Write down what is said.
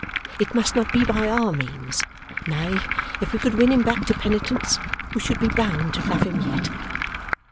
It must not be by our means; nay, if we could win him back to penitence, we should be bound to love him yet.